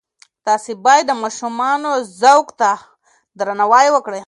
تاسې باید د ماشومانو ذوق ته درناوی وکړئ.